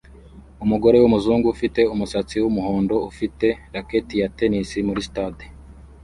Umugore wumuzungu ufite umusatsi wumuhondo ufite racket ya tennis muri stade